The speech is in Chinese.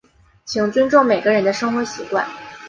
请尊重每个人的生活习惯。